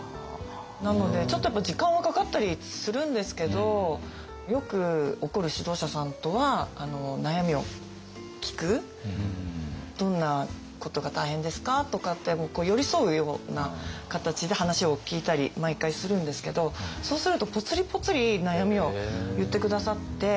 なのでちょっとやっぱり時間はかかったりするんですけどよく「どんなことが大変ですか？」とかって寄り添うような形で話を聞いたり毎回するんですけどそうするとポツリポツリ悩みを言って下さって。